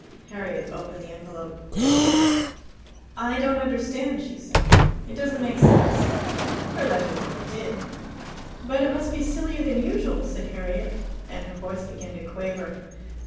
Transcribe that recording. Harriet opened the envelope. "I don't understand," she said; "it doesn't make sense." "Her letters never did." "But it must be sillier than usual," said Harriet, and her voice began to quaver.